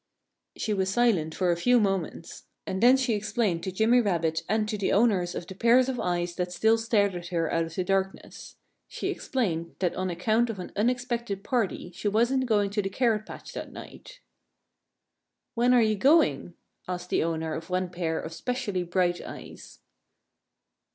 She was silent for a few moments. And then she explained to Jimmy Rabbit and to the owners of the pairs of eyes that still stared at her out of the darkness. She explained that on account of an unexpected party she wasn't going to the carrot patch that night. "When are you going?" asked the owner of one pair of specially bright eyes.